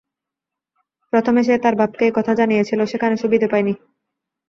প্রথমে সে তার বাপকে এই কথা জানিয়েছিল, সেখানে সুবিধে পায় নি।